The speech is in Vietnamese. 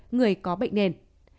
người có bệnh nền